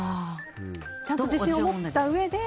ちゃんと自信を持ったうえで。